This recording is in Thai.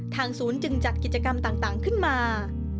ศูนย์จึงจัดกิจกรรมต่างขึ้นมา